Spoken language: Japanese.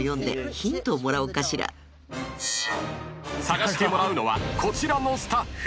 ［捜してもらうのはこちらのスタッフ］